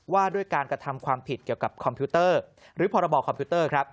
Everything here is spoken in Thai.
ว่าด้วยการกระทำความผิดเกี่ยวกับคอมพิวเตอร์หรือพรบคอมพิวเตอร์ครับ